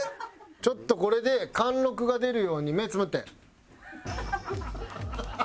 ちょっとこれで貫禄が出るように目つぶって。